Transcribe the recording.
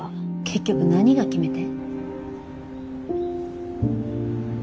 結局何が決め手？